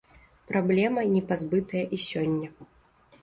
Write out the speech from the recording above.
Праблема, не пазбытая і сёння.